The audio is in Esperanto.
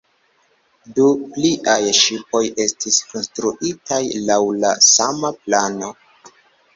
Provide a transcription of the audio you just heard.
Du pliaj ŝipoj estis konstruitaj laŭ la sama plano.